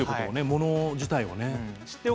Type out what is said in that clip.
もの自体をね。